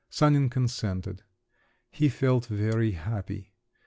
Sanin consented. He felt very happy.